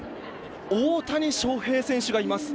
大谷翔平選手がいます。